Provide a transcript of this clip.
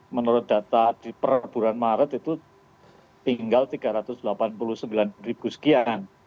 menurut data di per bulan maret itu tinggal tiga ratus delapan puluh sembilan ribu sekian